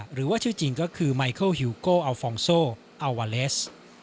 หรือว่าชื่อจริงก็คือไมเคิลฮิวโก้อัลฟองโซอัลวาเลส